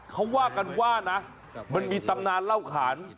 เขาว่ากันว่านะมันมีตำนานเล่าขาน